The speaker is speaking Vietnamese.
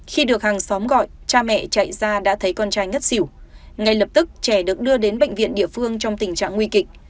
khi được hàng xóm gọi cha mẹ chạy ra đã thấy con trai ngất xỉu ngay lập tức trẻ được đưa đến bệnh viện địa phương trong tình trạng nguy kịch